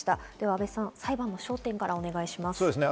阿部さん、裁判の焦点からお願いします。